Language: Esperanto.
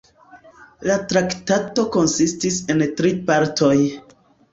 La Traktato konsistis el tri partoj.